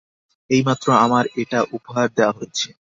এইমাত্র আমায় এটা উপহার দেয়া হয়েছে।